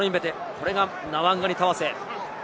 これがナワンガニタワセ。